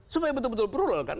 supaya betul betul perlu loh kan